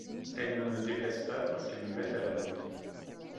Elles ne me déplaisaient pas, parce qu’elles me mettaient à la mode.